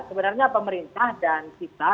sebenarnya pemerintah dan kita